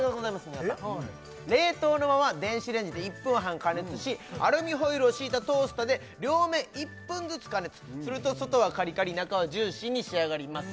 皆さん冷凍のまま電子レンジで１分半加熱しアルミホイルを敷いたトースターで両面１分ずつ加熱すると外はカリカリ中はジューシーに仕上がります